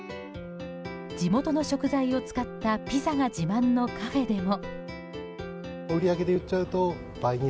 地元の食材を使ったピザが自慢のカフェでも。